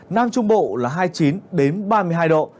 nam trung bộ là hai mươi chín ba mươi hai độ